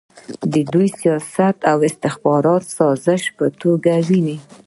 دوی سیاست د استخباراتي سازش په توګه ویني.